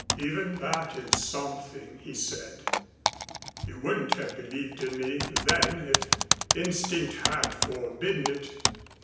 "Even that is something," he said. "You wouldn't have believed in me then if instinct had forbidden it.